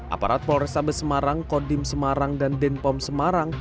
aparat polrestabes semarang kodim semarang dan denpom semarang